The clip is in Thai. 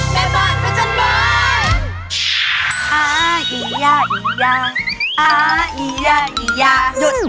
แม่บานสัจญาว